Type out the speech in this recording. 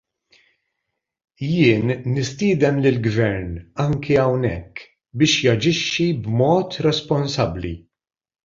Jien nistieden lill-Gvern, anke hawnhekk, biex jaġixxi b'mod responsabbli.